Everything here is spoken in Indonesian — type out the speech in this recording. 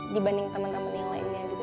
dibanding temen temen yang lainnya gitu